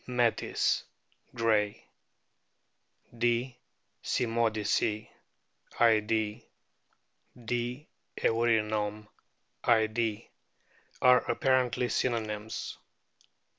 metis, Gray ; D. cymodice, Id., ; D. eurynome. Id., are apparently synonyms.